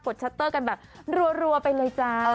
ชัตเตอร์กันแบบรัวไปเลยจ้า